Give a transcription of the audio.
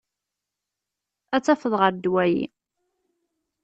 Ad tafeḍ ɣer ddwa-yi.